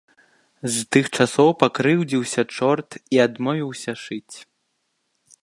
З тых часоў пакрыўдзіўся чорт і адмовіўся шыць.